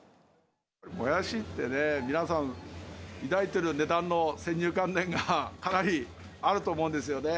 もやしってね、皆さん抱いてる値段の先入観念がかなりあると思うんですよね。